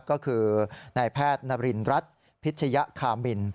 ก็คือนายแพทย์นรินรัฐพิชยคามิน